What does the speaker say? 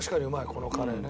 このカレーね。